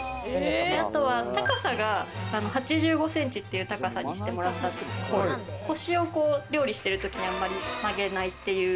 あとは高さが８５ｃｍっていう高さにしてもらったんですけど、腰を、こう料理している時にあまり曲げないっていう。